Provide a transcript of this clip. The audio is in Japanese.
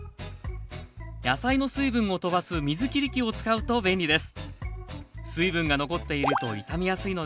野菜の水分を飛ばす水切り器を使うと便利です